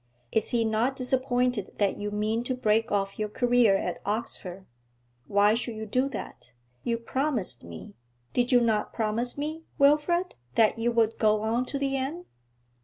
Is he not disappointed that you mean to break off your career at Oxford? Why should you do that? You promised me did you not promise me, Wilfrid, that you would go on to the end?'